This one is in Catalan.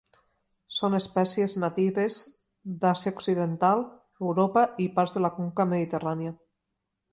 Són espècies natives d'Àsia occidental, Europa i parts de la conca mediterrània.